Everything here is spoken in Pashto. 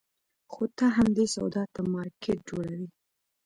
خو ته همدې سودا ته مارکېټ جوړوې.